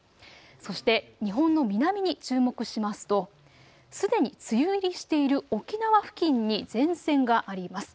そして日本の南に注目しますとすでに梅雨入りしている沖縄付近に前線があります。